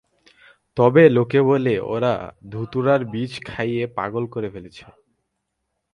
তবে লোকে বলে, ওরা ধুতুরার বীজ খাইয়ে পাগল করে ফেলেছে।